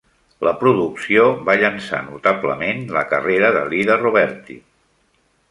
La producció va llançar notablement la carrera de Lyda Roberti.